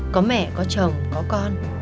có mẹ có chồng có con